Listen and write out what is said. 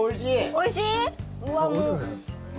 おいしい？